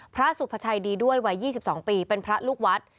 พระสุภาชัยดีด้วยวัย๒๒ปีเป็นพระลูกวัด